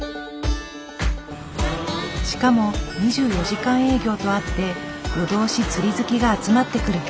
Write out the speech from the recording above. しかも２４時間営業とあって夜通し釣り好きが集まってくる。